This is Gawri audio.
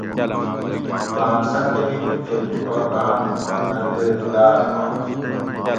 باۤن سمکہ لِیکو تے لوکوٹور راۤن ہوآۤں نہ تے لاۤڷ ہواں